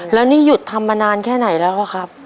แล้วนี่หยุดทำมานานแค่ไหนแล้วอะครับ